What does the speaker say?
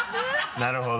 なるほど。